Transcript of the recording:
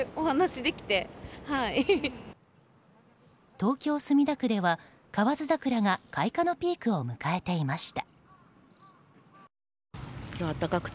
東京・墨田区では、河津桜が開花のピークを迎えていました。